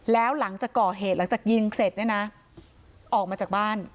แล้วหลังจากก่อเหตุหลังจากยิงเสร็จเนี่ยนะออกมาจากบ้าน